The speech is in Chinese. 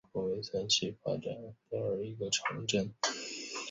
德意志亚恩多夫是奥地利布尔根兰州滨湖新锡德尔县的一个市镇。